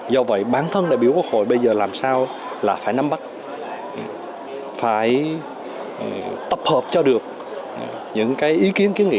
do vậy bản thân đại biểu quốc hội bây giờ làm sao là phải nắm bắt phải tập hợp cho được những ý kiến kiến nghị